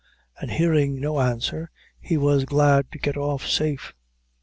and hearing no answer, he was glad to get off safe.